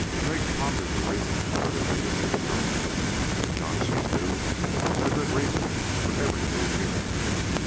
Crag pondered the reason for their visit to the drone. Gotch, he knew, had a good reason for every move he made.